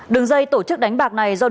đường dây tổ chức đánh bạc này do đối tượng